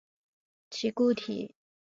其固体多以二水合物形式存在。